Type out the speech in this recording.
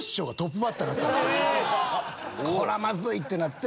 こらまずい！ってなって。